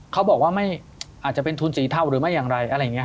เขาบอกว่าอาจจะเป็นทุนสีเทาหรือไม่อย่างไร